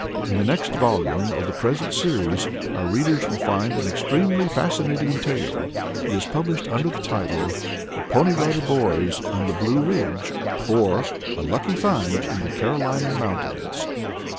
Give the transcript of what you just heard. In the next volume of the present series our readers will find an extremely fascinating tale. It is published under the title, The Pony Rider Boys On The Blue Ridge; Or, A Lucky Find in the Carolina Mountains.